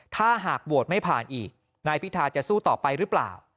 ถ้าหากโหวตไม่ผ่านอีกนายพิธาจะสู้ต่อไปหรือเปล่า